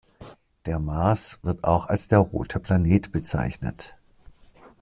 Der Mars wird auch als der „rote Planet“ bezeichnet.